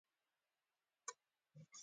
او ایس میکس غواړي له دې سره څه وکړي